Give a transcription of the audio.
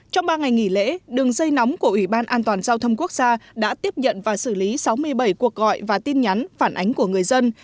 trong ba ngày nghỉ lễ đường dây nóng của ủy ban an toàn giao thông quốc gia đã tiếp nhận và xử lý sáu mươi bảy cuộc gọi và tin nhắn phản ánh của người dân